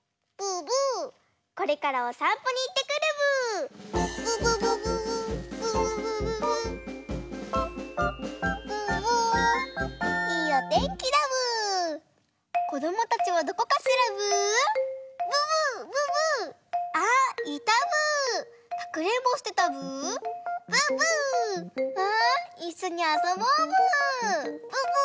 ブーブー！わいっしょにあそぼうブー。